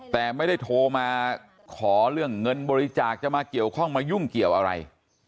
แต่ไม่ได้โทรมาขอเรื่องเงินบริจาคจะมาเกี่ยวข้องมายุ่งเกี่ยวอะไร